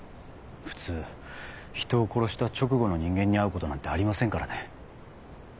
普通人を殺した直後の人間に会うことなんてありませんからね。